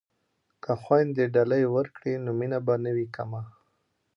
که خویندې ډالۍ ورکړي نو مینه به نه وي کمه.